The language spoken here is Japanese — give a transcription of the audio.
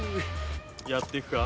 やっていくか？